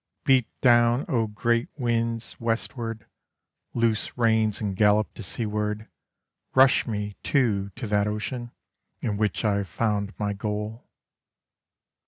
Beat down, O great winds, westward, Loose reins and gallop to seaward, Rush me, too, to that ocean, In which I have found my goal.